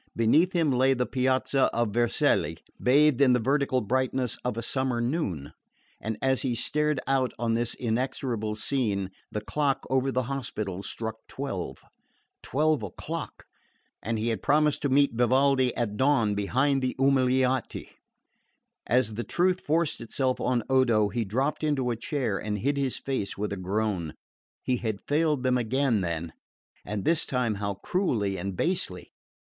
Beneath him lay the piazza of Vercelli, bathed in the vertical brightness of a summer noon; and as he stared out on this inexorable scene, the clock over the Hospital struck twelve. Twelve o'clock! And he had promised to meet Vivaldi at dawn behind the Umiliati! As the truth forced itself on Odo he dropped into a chair and hid his face with a groan. He had failed them again, then and this time how cruelly and basely!